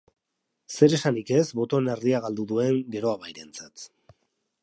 Zeresanik ez botoen erdia galdu duen Geroa Bairentzat.